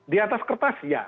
di atas kertas ya